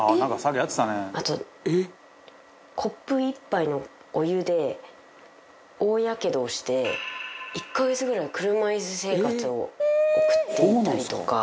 あとコップ１杯のお湯で大やけどをして１カ月ぐらい車椅子生活を送っていたりとか。